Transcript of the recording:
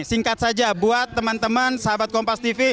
singkat saja buat teman teman sahabat kompas tv